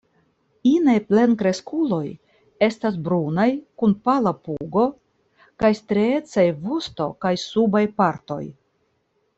Inaj plenkreskuloj estas brunaj kun pala pugo, kaj striecaj vosto kaj subaj partoj.